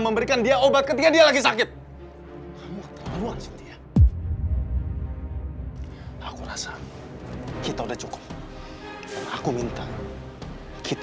memberikan dia obat ketika dia lagi sakit aku rasa kita udah cukup aku minta kita cerai